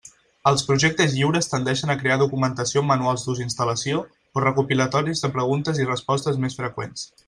Els projectes lliures tendeixen a crear documentació amb manuals d'ús i instal·lació o recopilatoris de preguntes i respostes més freqüents.